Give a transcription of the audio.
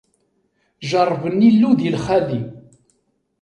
Jeṛṛben Illu di lxali.